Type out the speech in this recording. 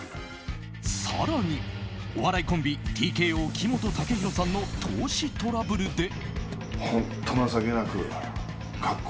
更に、お笑いコンビＴＫＯ木本武宏さんの投資トラブルで。